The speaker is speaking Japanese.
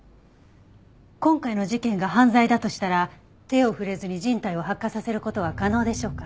今回の事件が犯罪だとしたら手を触れずに人体を発火させる事は可能でしょうか？